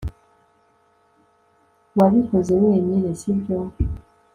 Wabikoze wenyine sibyo